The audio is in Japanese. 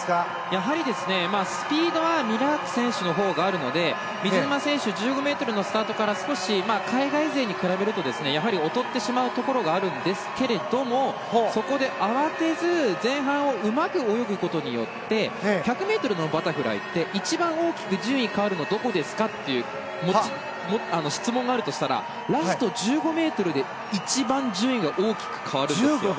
やはりスピードはミラーク選手のほうがあるので水沼選手は１５ｍのスタートから少し海外勢に比べると劣ってしまうところがあるんですけれどもそこで、慌てず前半をうまく泳ぐことによって１００ｍのバタフライって一番大きく順位が変わるのどこですかっていう質問があるとしたらラスト１５ｍで、一番順位が大きく変わるんです。